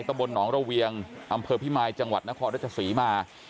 ตะบลน้องเราเวียงอัมเภอพรี่ไมล์จังหวัดนครรัฐศรีมา